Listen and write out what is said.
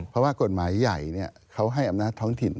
เพราะว่ากฎหมายใหญ่เขาให้อำนาจท้องถิ่น